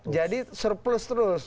jadi surplus terus